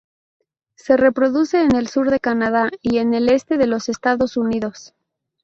Se reproduce en el sur de Canadá y el este de los Estados Unidos.